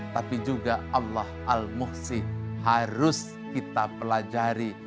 tapi juga allah al muhsi harus kita pelajari